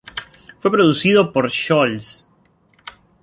Fue producido por Scholz.